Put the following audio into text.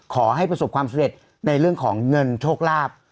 ขอให้ประสบความสำเร็จในเรื่องของเงินโชคลาภ